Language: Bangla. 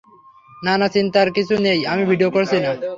না, না, চিন্তার কিছু নেই, আমি ভিডিও করছি না।